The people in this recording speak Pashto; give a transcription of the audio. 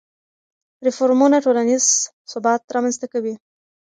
ریفورمونه ټولنیز ثبات رامنځته کوي.